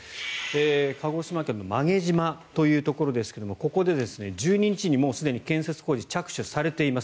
鹿児島県の馬毛島というところですがここで１２日にもうすでに建設工事が着手されています。